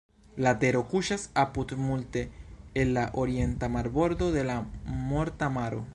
La tero kuŝas apud multe el la orienta marbordo de la Morta Maro.